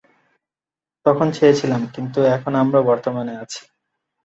তখন ছেড়েছিলাম, কিন্তু এখন আমরা বর্তমানে আছি।